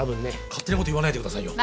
勝手なこと言わないでくださいよ。